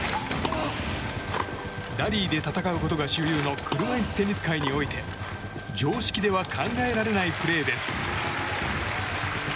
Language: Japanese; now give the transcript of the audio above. ラリーで戦うことが主流の車いすテニス界において常識では考えられないプレーです。